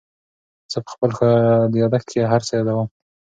زه په خپل یادښت کې هر څه یادوم.